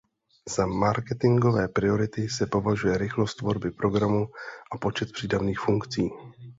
Za marketingové priority se považuje rychlost tvorby programu a počet přídavných funkcí.